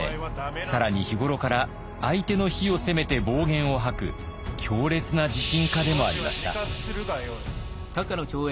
更に日頃から相手の非を責めて暴言を吐く強烈な自信家でもありました。